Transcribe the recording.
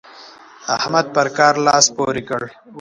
احمد پر کار لاس پورې کړ.